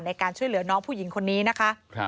ในการช่วยเหลือน้องผู้หญิงคนนี้นะคะ